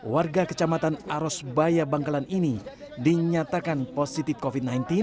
warga kecamatan arosbaya bangkalan ini dinyatakan positif covid sembilan belas